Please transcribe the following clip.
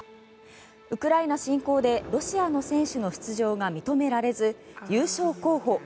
ウクライナ侵攻でロシアの選手の出場が認められず優勝候補